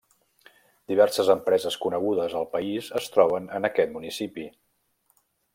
Diverses empreses conegudes al país es troben en aquest municipi.